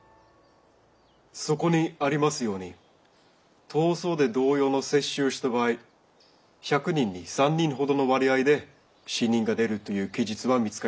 そこにありますように痘瘡で同様の接種をした場合１００人に３人ほどの割合で死人が出るという記述は見つかりました。